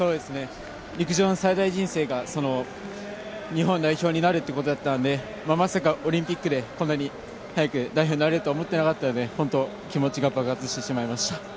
陸上の最大人生が日本代表になるということだったのでまさかオリンピックでこんなに早く代表になれると思っていなかったので本当に気持ちが爆発してしまいました。